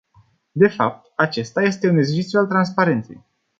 De fapt, acesta este un exercițiu al transparenței.